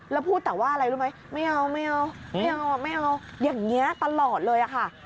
แล้วพูดแต่ว่าอะไรรู้ไหมไม่เอาอย่างนี้ตลอดเลยค่ะ